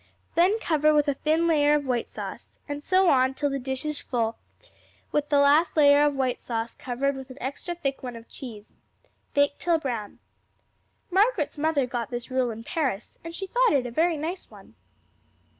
Then cover with a thin layer of white sauce, and so on till the dish is full, with the last layer of white sauce covered with an extra thick one of cheese. Bake till brown. Margaret's mother got this rule in Paris, and she though it a very nice one.